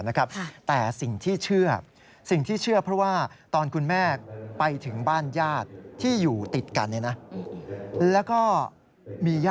มีแต่ว่าเปิดประตูเข้าบ้านขนลุกสู้เลย